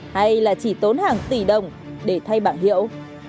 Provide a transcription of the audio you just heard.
hay là chỉ tốn hàng tỷ đồng để thay bảng hiệu